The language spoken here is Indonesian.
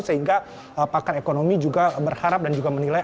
sehingga pakan ekonomi juga berharap dan juga menilai